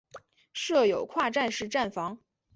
设有跨站式站房。